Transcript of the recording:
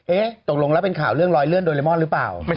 ตกลงแล้วเป็นข่าวเรื่องรอยเลื่อนโดเรมอนหรือเปล่า